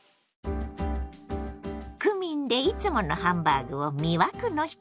クミンでいつものハンバーグを魅惑の一皿に。